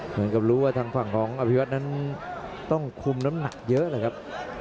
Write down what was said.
เหมือนกับรู้ว่าทางฝั่งของอภิวัตนั้นต้องคุมน้ำหนักเยอะเลยครับ